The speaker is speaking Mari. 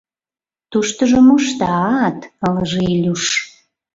— Туштыжо мошта-ат, — ылыже Илюш.